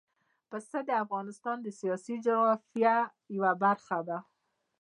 پسه د افغانستان د سیاسي جغرافیه یوه برخه ده.